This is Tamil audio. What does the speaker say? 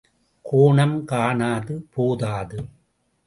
கோணம், காணாது, போதாது.